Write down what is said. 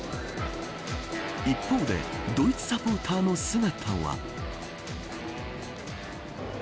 一方でドイツサポーターの姿は。